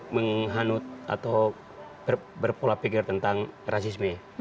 menghanut atau berpola pikir tentang rasisme